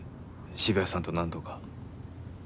渋谷さんと何度か。